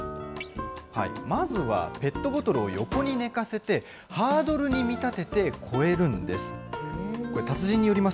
まずはペットボトルを横に寝かせて、ハードルに見立てて越えるんです。